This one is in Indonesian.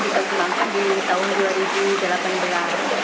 kita sebagai kompon ini lalu kita kembangkan di tahun dua ribu delapan belas